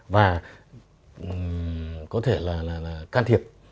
và có thể là can thiệp